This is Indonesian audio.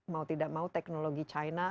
mau tidak mau teknologi china